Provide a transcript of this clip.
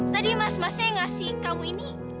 tadi mas masnya yang ngasih kamu ini